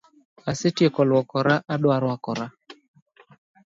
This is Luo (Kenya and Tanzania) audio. Asetieko luokora adwa rwakora